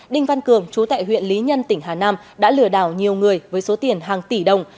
đinh văn cường chú tại huyện lý nhân tỉnh hà nam đã lừa đảo nhiều người với số tiền hàng tỷ đồng